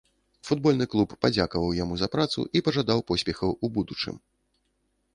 Футбольны клуб падзякаваў яму за працу і пажадаў поспехаў у будучым.